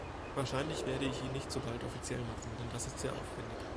Wahrscheinlich werde ich ihn nicht so bald offiziell machen, denn das ist sehr aufwändig.